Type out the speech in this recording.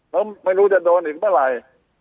แล้วไม่รู้จะโดนอีกอะไร